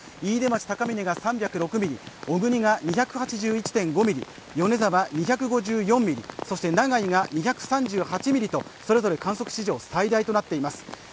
飯豊町高峰が３０６ミリ小国が２８１．５ミリ、米沢が２５４ミリ、そして長井が２３８ミリと、それぞれ観測史上最高となっています。